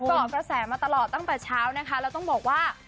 ก็แสงมาตลอดตั้งแต่เช้านะคะเราต้องบอกว่า